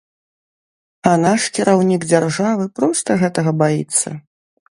А наш кіраўнік дзяржавы проста гэтага баіцца.